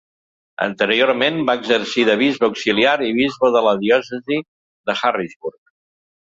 Anteriorment va exercir de bisbe auxiliar i bisbe de la diòcesi de Harrisburg.